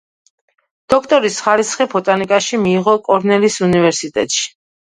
დოქტორის ხარისხი ბოტანიკაში მიიღო კორნელის უნივერსიტეტში.